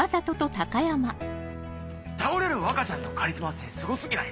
「倒れる若ちゃんのカリスマ性すご過ぎない？」。